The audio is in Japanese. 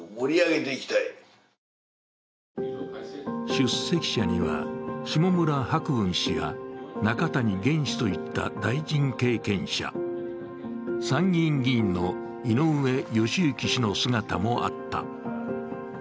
出席者には、下村博文氏や中谷元氏といった大臣経験者、参議院議員の井上義行氏の姿もあった。